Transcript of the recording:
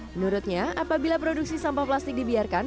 menurutnya apabila produksi sampah plastik dibiarkan